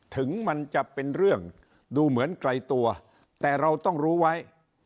ถึงมันจะเป็นเรื่องดูเหมือนไกลตัวแต่เราต้องรู้ไว้